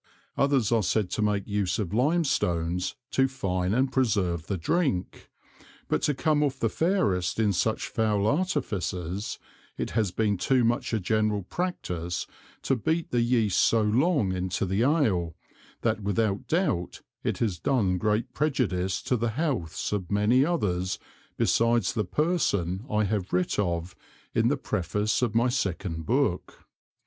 Others are said to make use of Lime stones to fine and preserve the Drink; but to come off the fairest in such foul Artifices, it has been too much a general Practice to beat the Yeast so long into the Ale, that without doubt it has done great Prejudice to the Healths of many others besides the Person I have writ of in the Preface of my Second Book.